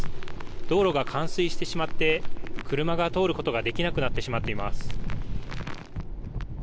道路が冠水してしまって車が通ることができなくなってしまっています。